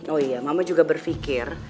oh iya mama juga berpikir